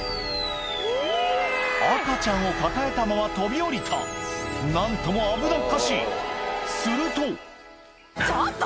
赤ちゃんを抱えたまま飛び降りた何とも危なっかしいするとちょっと！